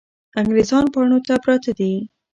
انګریزان پاڼو ته پراته دي.